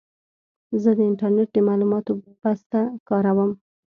زه د انټرنېټ د معلوماتو بسته کاروم.